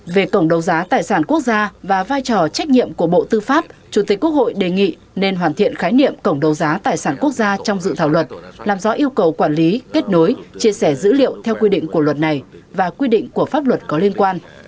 về cổng đấu giá tài sản quốc gia và vai trò trách nhiệm của bộ tư pháp chủ tịch quốc hội đề nghị nên hoàn thiện khái niệm cổng đấu giá tài sản quốc gia trong dự thảo luật làm rõ yêu cầu quản lý kết nối chia sẻ dữ liệu theo quy định của luật này và quy định của pháp luật có liên quan